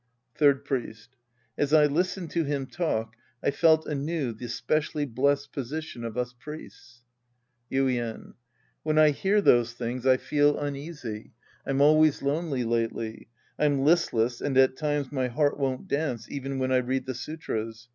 Third Priest. As I listened to him talk I felt anew the specially blessed position of us priests. Yuien. When I hear those things, I feel uneasy. I'm always lonely lately. I'm listless and at times my heart won't dance even when I read the sutras.